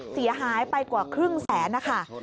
เสียหายไปกว่าครึ่งแสนนะคะ